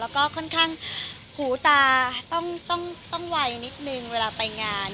แล้วก็ค่อนข้างหูตาต้องไวนิดนึงเวลาไปงาน